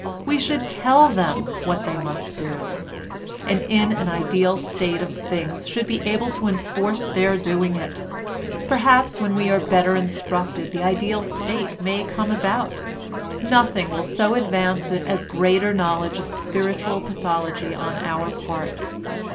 We should tell them what they must do, and in an ideal state of things should be able to enforce their doing it: perhaps when we are better instructed the ideal state may come about; nothing will so advance it as greater knowledge of spiritual pathology on our own part.